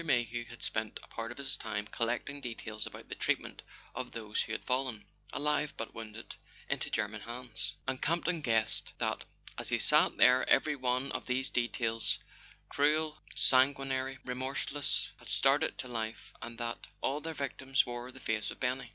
Mayhew had spent a part of his time collecting details about the treatment of those who had fallen, alive but wounded, into German hands; and Campton guessed that as he sat there every one of these details, cruel, sanguinary, remorseless, had started to life, and that all their victims wore the face of Benny.